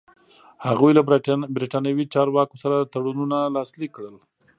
هغوی له برېټانوي چارواکو سره تړونونه لاسلیک کړل.